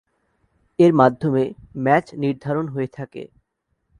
এর মাধ্যমে ম্যাচ নির্ধারণ হয়ে থাকে।